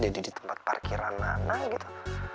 jadi di tempat parkiran nana gitu